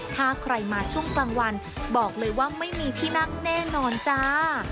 ถ้าใครมาช่วงกลางวันบอกเลยว่าไม่มีที่นั่งแน่นอนจ้า